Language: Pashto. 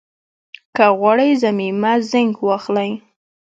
که غواړئ ضمیمه زېنک واخلئ